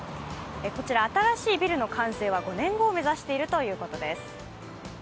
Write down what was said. こちら新しいビルの完成は５年後を目指しているということです。